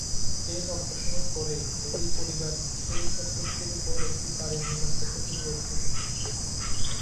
এর অল্পসময় পরেই, মেরি পরিবার সেই সম্পত্তির ওপর একটা বাড়ি নির্মাণ করতে শুরু করেছিল।